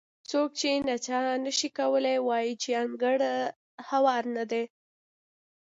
څوک چې نڅا نه شي کولی وایي چې انګړ هوار نه دی.